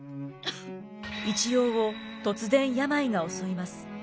一葉を突然病が襲います。